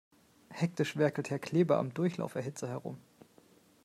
Hektisch werkelt Herr Kleber am Durchlauferhitzer herum.